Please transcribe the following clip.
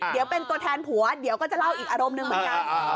เดี๋ยวเป็นตัวแทนผัวเดี๋ยวก็จะเล่าอีกอารมณ์หนึ่งเหมือนกัน